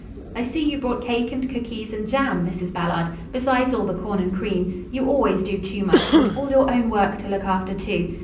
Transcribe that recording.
"I see you brought cake and cookies and jam, Mrs. Ballard, besides all the corn and cream you always do too much, and all your own work to look after, too.